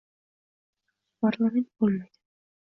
yaxshi parlament bo‘lmaydi.